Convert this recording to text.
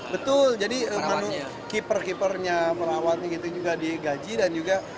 betul jadi keeper keepernya pelawatnya juga digaji dan juga